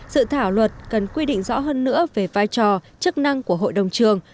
dự thảo luật cần quy định rõ hơn nữa về vai trò chức năng của hội đồng trường